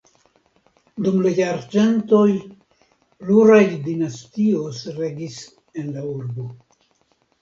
Dum la jarcentoj pluraj dinastioj regis en la urbo.